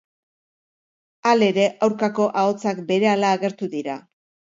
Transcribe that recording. Halere, aurkako ahotsak berehala agertu dira.